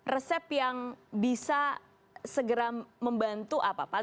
resep yang bisa segera membantu apa pak